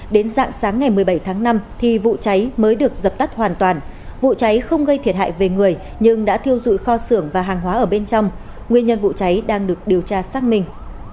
đến dạng sáng ngày một mươi bảy tháng năm thì vụ cháy mới được dập tắt hoàn toàn vụ cháy không gây thiệt hại về người nhưng đã thiêu dụi kho xưởng và hàng hóa ở bên trong nguyên nhân vụ cháy đang được điều tra xác minh